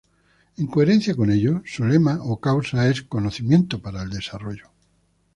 En coherencia con ello, su lema o causa es Conocimiento para el Desarrollo.